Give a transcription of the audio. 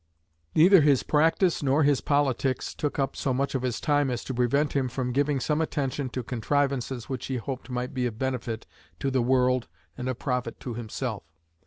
Neither his practice nor his politics took up so much of his time as to prevent him from giving some attention to contrivances which he hoped might be of benefit to the world and of profit to himself.